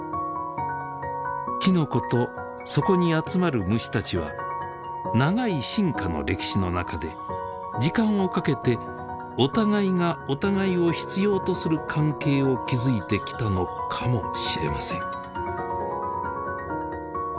きのことそこに集まる虫たちは長い進化の歴史の中で時間をかけてお互いがお互いを必要とする関係を築いてきたのかもしれません。